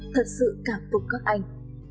thật sự cảm phục các anh